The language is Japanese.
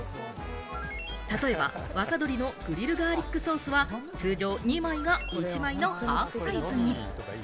例えば若鶏のグリルガーリックソースは通常２枚が１枚のハーフサイズに。